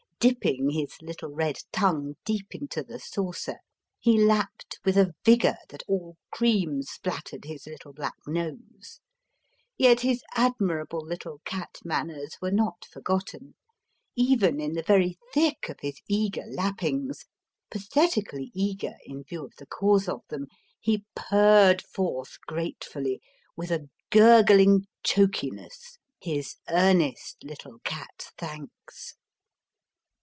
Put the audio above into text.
Dipping his little red tongue deep into the saucer, he lapped with a vigour that all cream splattered his little black nose. Yet his admirable little cat manners were not forgotten: even in the very thick of his eager lappings pathetically eager, in view of the cause of them he purred forth gratefully, with a gurgling chokiness, his earnest little cat thanks.